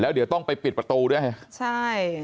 เดี๋ยวต้องไปปิดประตูด้วยใช่